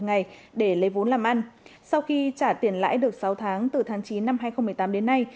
ngày để lấy vốn làm ăn sau khi trả tiền lãi được sáu tháng từ tháng chín năm hai nghìn một mươi tám đến nay